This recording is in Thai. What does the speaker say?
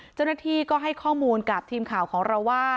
เจ้าหน้าที่ก็ให้ข้อมูลกับทีมข่าวของเราว่า